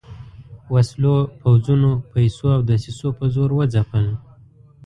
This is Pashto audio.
وسلو، پوځونو، پیسو او دسیسو په زور وځپل.